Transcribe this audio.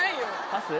パス？